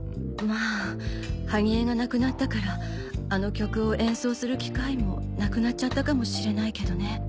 まあ萩江が亡くなったからあの曲を演奏する機会もなくなっちゃったかもしれないけどね。